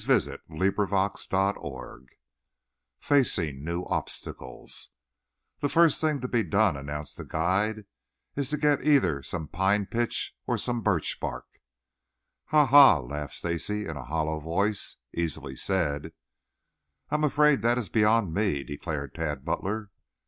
CHAPTER XI FACING NEW OBSTACLES "The first thing to be done," announced the guide, "is to get either some pitch pine or some birch bark." "Ha, ha!" laughed Stacy in a hollow voice. "Easily said." "I am afraid that is beyond me," declared Tad Butler.